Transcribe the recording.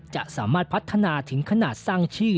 จะสามารถพัฒนาถึงขนาดสร้างชื่อ